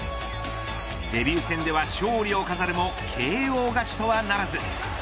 デビュー戦では勝利を飾るもＫＯ勝ちとはならず。